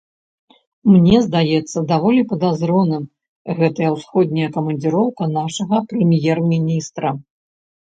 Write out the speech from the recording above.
Мне здаецца даволі падазроным гэтая ўсходняя камандзіроўка нашага прэм'ер-міністра.